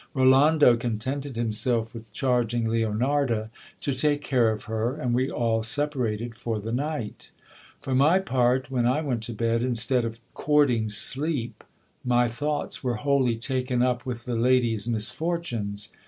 Rolando contented himself with charging Leonarda to take care of her, and we all separated for the night For my part, when I went to bed, instead of :ourting sleep, my thoughts were wholly taken up with the lady's misfortunes.